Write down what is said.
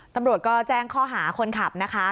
ตำรวจก็แจ้งข้อหาคนขับนะคะ